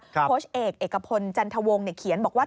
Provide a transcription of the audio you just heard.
โค้ชเอกเอกพลจันทวงศ์เขียนบอกว่า